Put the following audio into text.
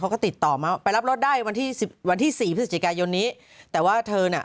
เขาก็ติดต่อมาว่าไปรับรถได้วันที่สิบวันที่วันที่สี่พฤศจิกายนนี้แต่ว่าเธอน่ะ